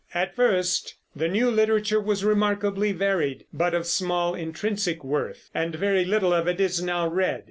At first the new literature was remarkably varied, but of small intrinsic worth; and very little of it is now read.